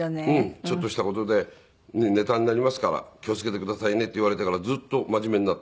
「ちょっとした事でネタになりますから気を付けてくださいね」って言われてからずっと真面目になって。